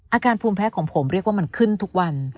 อาการภูมิแพ้ของผมเรียกว่ามันขึ้นทุกวัน